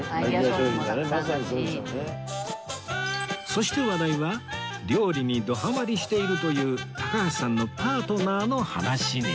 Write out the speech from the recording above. そして話題は料理にどハマりしているという高橋さんのパートナーの話に